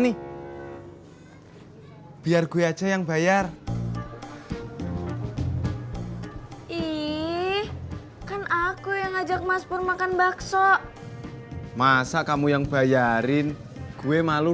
nih biar gue aja yang bayar ih kan aku yang ngajak mas pur makan bakso masa kamu yang bayarin gue malu